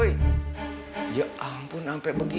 ya ampun sampai begitu